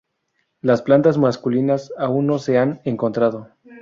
Las plantas masculinas aún no se han encontrado.